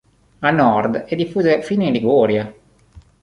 A nord è diffusa fino in Liguria.